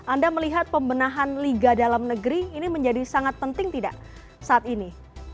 anda melihat pembenahan liga dalam negeri ini menjadi sangat penting tidak saat ini